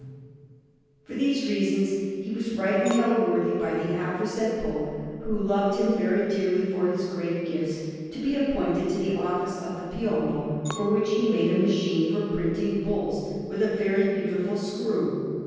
Pietro in Montorio_) Anderson] For these reasons he was rightly held worthy by the aforesaid Pope, who loved him very dearly for his great gifts, to be appointed to the Office of the Piombo, for which he made a machine for printing Bulls, with a very beautiful screw.